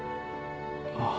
ああ。